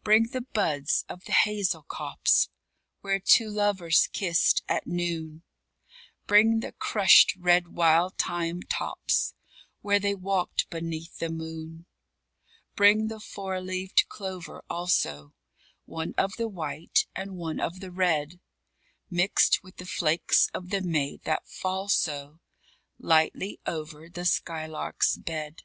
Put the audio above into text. _ Bring the buds of the hazel copse Where two lovers kissed at noon: Bring the crushed red wild thyme tops Where they walked beneath the moon; Bring the four leaved clover also, One of the white, and one of the red, Mixed with the flakes of the may that fall so Lightly over the sky lark's bed.